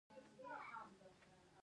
تولیدي اړیکې د پرمختګ مخه نیوله.